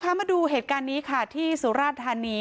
มาดูเหตุการณ์นี้ค่ะที่สุราธานี